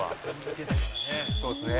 「そうですね」